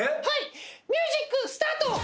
はいミュージックスタート！